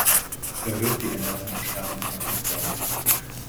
Verwirf die Änderungen und starte noch mal von vorn.